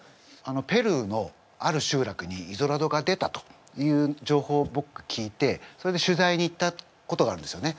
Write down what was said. ペルーのある集落にイゾラドが出たという情報ぼく聞いてそれで取材に行ったことがあるんですよね。